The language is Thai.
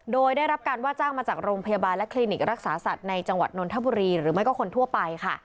โดยได้รับการว่าจ้างมาจากโรงพยาบาลและคลินิกรักษาสัตว์ในจังหวัดนนทบุรีหรือไม่ก็คนทั่วไปค่ะ